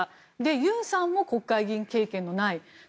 ユンさんも国会議員経験がない。